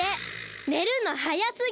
ねるのはやすぎ！